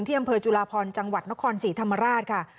คุณเที่ยงอำเภอจุฬาพรจังหวัดนคร๔ธรรมราชค่ะ